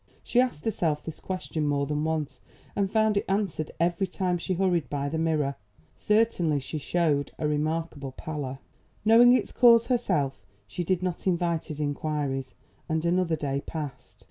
She asked herself this question more than once, and found it answered every time she hurried by the mirror. Certainly she showed a remarkable pallor. Knowing its cause herself, she did not invite his inquiries; and another day passed.